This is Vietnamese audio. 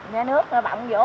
nó nước nó bọng vỗ